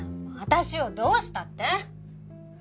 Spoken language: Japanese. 私をどうしたって？